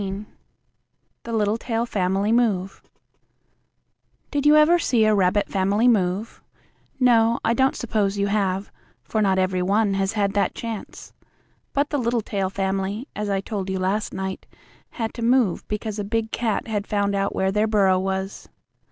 XIII THE LITTLETAIL FAMILY MOVE Did you ever see a rabbit family move? No, I don't suppose you have, for not every one has had that chance. But the Littletail family, as I told you last night, had to move because a big cat had found out where their burrow was.